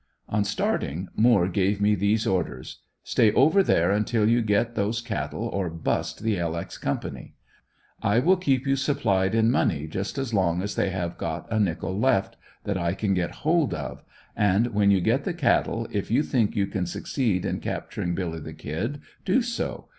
On starting, Moore gave me these orders: "Stay over there until you get those cattle or bust the "L. X." company. I will keep you supplied in money just as long as they have got a nickel left, that I can get hold of. And when you get the cattle if you think you can succeed in capturing "Billy the Kid" do so.